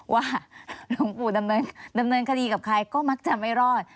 หลวงปู่ดำเนินคดีกับใครก็มักจะไม่รอด